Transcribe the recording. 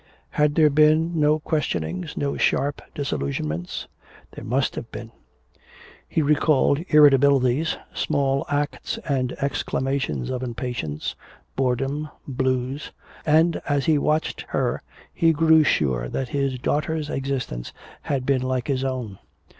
Had there been no questionings, no sharp disillusionments? There must have been. He recalled irritabilities, small acts and exclamations of impatience, boredom, "blues." And as he watched her he grew sure that his daughter's existence had been like his own.